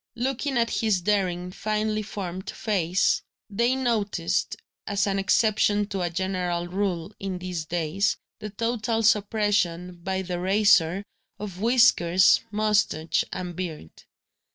Looking at his daring, finely formed face, they noticed (as an exception to a general rule, in these days) the total suppression, by the razor, of whiskers, moustache, and beard.